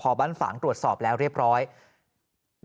เพราะถ้าหากว่าดูไม่ชอบมาพากลแล้ว